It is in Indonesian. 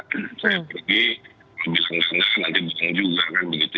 saya pergi bilang enggak enggak nanti buang juga kan begitu